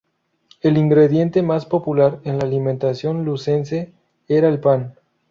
El ingrediente más popular en la alimentación lucense era el pan.